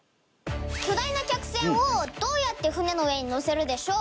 巨大な客船をどうやって船の上に載せるでしょう？